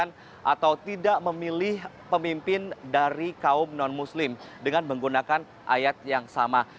nah ini juga menunjukkan bahwa